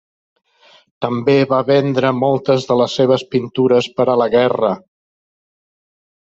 També va vendre moltes de les seves pintures per a la guerra.